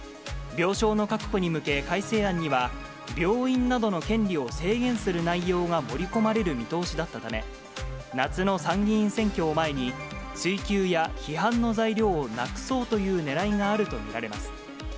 病床の確保に向け、改正案には、病院などの権利を制限する内容が盛り込まれる見通しだったため、夏の参議院選挙を前に、追及や批判の材料をなくそうというねらいがあると見られます。